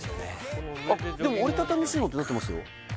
でも折り畳み仕様ってなってますよ